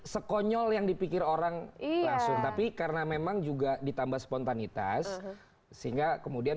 sekonyol yang dipikir orang langsung tapi karena memang juga ditambah spontanitas sehingga kemudian